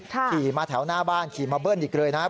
ขี่มาแถวหน้าบ้านขี่มาเบิ้ลอีกเลยนะครับ